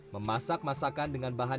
memasak masakan dengan bahan